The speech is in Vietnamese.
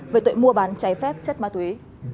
về tội mua bán trái phép chất ma túy